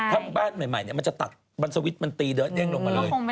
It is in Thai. ถ้าเป็นบ้านใหม่เนี่ยมันจะตัดมันสวิตช์มันตีเดินเองลงมาเลย